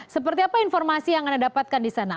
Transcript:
seperti apa informasi yang anda dapatkan di sana